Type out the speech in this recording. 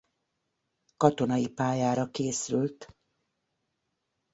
Katonai pályára készült.